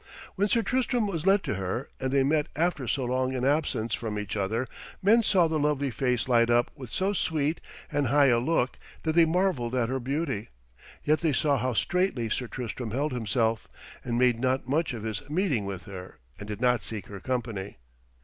When Sir Tristram was led to her and they met after so long an absence from each other, men saw the lovely face light up with so sweet and high a look that they marvelled at her beauty. Yet they saw how straitly Sir Tristram held himself, and made not much of his meeting with her and did not seek her company.